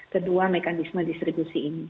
kedua mekanisme distribusi